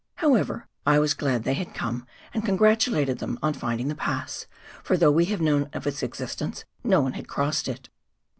However, I was glad they had come, and congratulated them on finding the pass, for though we had known of its existence, no one had crossed it.